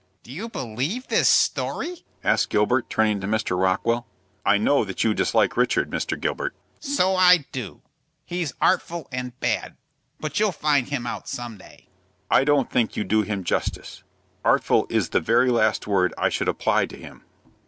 "Do you believe this story?" asked Gilbert, turning to Mr. Rockwell. "I know that you dislike Richard, Mr. Gilbert." "So I do. He's artful and bad; but you'll find him out some day." "I don't think you do him justice. Artful is the very last word I should apply to him."